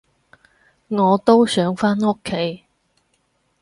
我都想返屋企